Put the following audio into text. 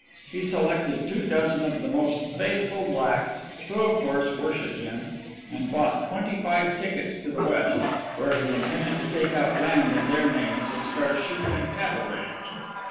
He selected two dozen of the most faithful blacks, who, of course, worshipped him, and bought twenty five tickets to the West, where he intended to take out land in their names and start a sheep and cattle ranch.